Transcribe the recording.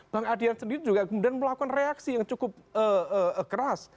bang adian sendiri juga kemudian melakukan reaksi yang cukup keras